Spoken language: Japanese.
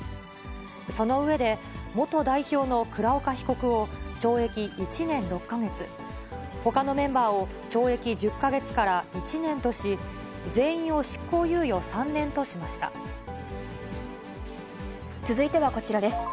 その上で、元代表の倉岡被告を、懲役１年６か月、ほかのメンバーを懲役１０か月から１年とし、全員を執行猶予３年続いてはこちらです。